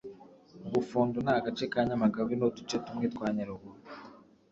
Ubufundo Ni agace ka Nyamagabe n’uduce tumwe twa Nyaruguru